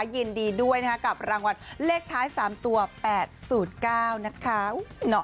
ยินดีด้วยนะคะกับรางวัลเลขท้าย๓ตัว๘๐๙นะคะ